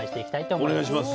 お願いします。